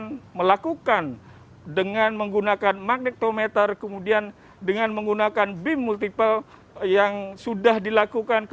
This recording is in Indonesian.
dan pemerintah pun dalam hal ini jokowi memang sempat menyatakan akan mengupayakan sesuatu yang terbaik untuk pencarian kapal nanggala empat ratus dua termasuk juga meng evakuasi jenazah yang sudah dinyatakan